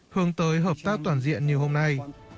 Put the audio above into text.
hướng tới hợp tác toàn diện như hôm nay